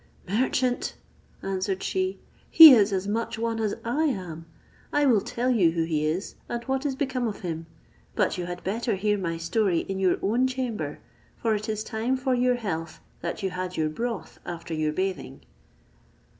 "Merchant!" answered she, "he is as much one as I am; I will tell you who he is, and what is become of him; but you had better hear the story in your own chamber; for it is time for your health that you had your broth after your bathing."